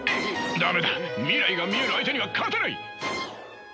駄目だ未来が見える相手には勝てない！